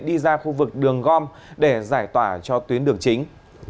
đi ra khu vực đường gom để giải tỏa cho tuyến đường chính